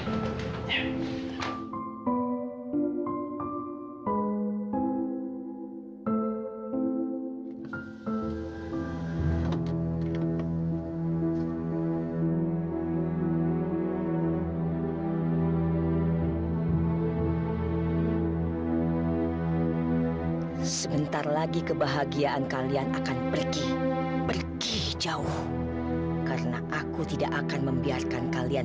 hai sebentar lagi kebahagiaan kalian akan pergi pergi jauh karena aku tidak akan membiarkan kalian